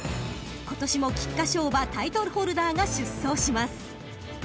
［今年も菊花賞馬タイトルホルダーが出走します］